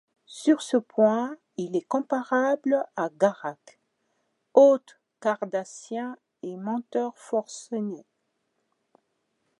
Sur ce point, il est comparable à Garak, autre cardassien et menteur forcené.